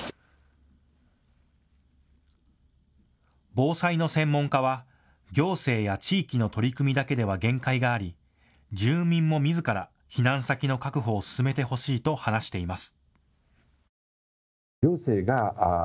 防災の専門家は行政や地域の取り組みだけでは限界があり住民もみずから避難先の確保を進めてほしいと話しています。